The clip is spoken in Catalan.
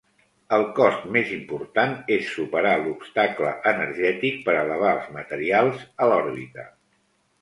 El cost més important és superar l'obstacle energètic per elevar els materials a l'òrbita.